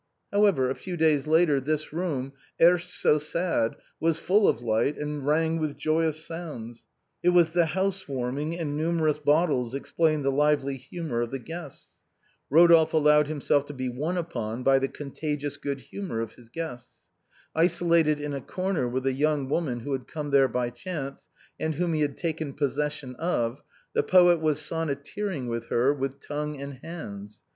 " However, a few days later this room, erst so sad, was full of light, and rang with joyous sounds, it was the house warming, and numerous bottles explained the lively humor of the guests. Eodolphe allowed himself to be won upon by the contagious good humor of his guests. Isolated in a corner with a young woman who had come there by chance, and whom he had taken possession of, the poet was sonnet teering with her with tongue and hands.